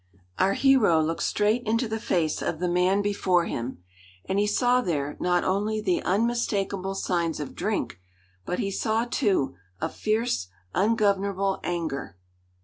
Our hero looked straight into the face of the man before him, and he saw there not only the unmistakable signs of drink, but he saw, too, a fierce, ungovernable anger.